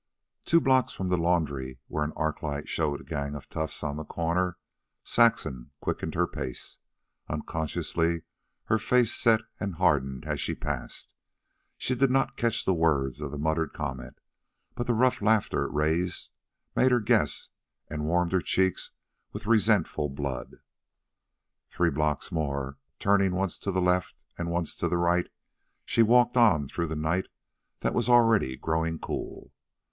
Two blocks from the laundry, where an arc light showed a gang of toughs on the corner, Saxon quickened her pace. Unconsciously her face set and hardened as she passed. She did not catch the words of the muttered comment, but the rough laughter it raised made her guess and warmed her checks with resentful blood. Three blocks more, turning once to left and once to right, she walked on through the night that was already growing cool.